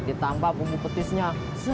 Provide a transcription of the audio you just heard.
ditambah bumbu petisnya